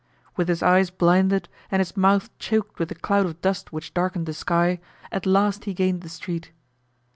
With his eyes blinded, and his mouth choked with the cloud of dust which darkened the sky, at last he gained the street.